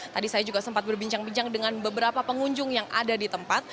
tadi saya juga sempat berbincang bincang dengan beberapa pengunjung yang ada di tempat